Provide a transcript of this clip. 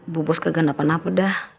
bu bos keganda panah pedah